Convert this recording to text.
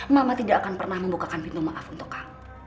mama tidak akan pernah membukakan pintu maaf untuk kamu